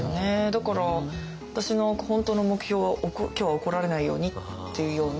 だから私の本当の目標は「今日は怒られないように」っていうような。